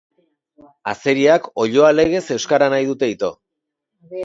Azeriak oiloa legez euskara nahi dute ito.